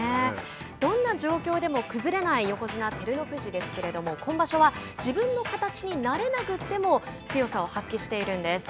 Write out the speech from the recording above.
どんな状況でも崩れない横綱・照ノ富士ですけれども今場所は自分の形になれなくても強さを発揮しているんです。